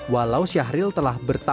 walau syahril telah bertahan